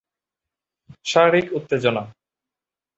শারীরিক উত্তেজনা।